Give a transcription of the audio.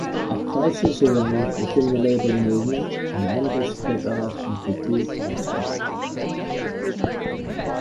A crisis arose within the labour movement and members split off into two factions.